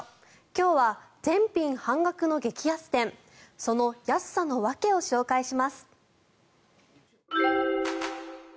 今日は、全品半額の激安店その安さの訳を紹介します。